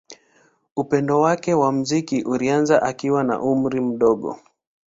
Upendo wake wa muziki ulianza akiwa na umri mdogo.